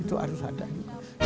itu harus ada juga